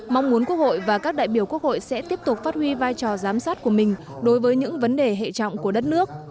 mong muốn quốc hội và các đại biểu quốc hội sẽ tiếp tục phát huy vai trò giám sát của mình đối với những vấn đề hệ trọng của đất nước